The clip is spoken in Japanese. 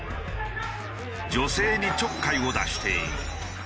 女性にちょっかいを出している。